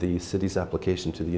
hai tuổi của tôi